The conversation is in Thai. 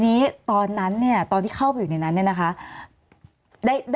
มีความรู้สึกว่ามีความรู้สึกว่ามีความรู้สึกว่า